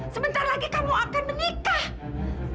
sebentar lagi kamu akan menikah